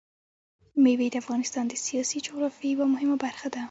مېوې د افغانستان د سیاسي جغرافیه یوه مهمه برخه ده.